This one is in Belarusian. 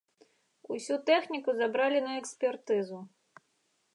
Усю тэхніку забралі на экспертызу.